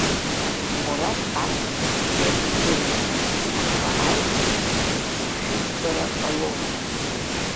Мураҭ ахәшә бзиа идыруеит, аха аиԥш хәшәыџьбара ҟалом.